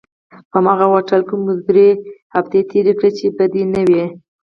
په هماغه هوټل کې مو درې اونۍ تېرې کړې چې بدې نه وې.